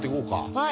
はい。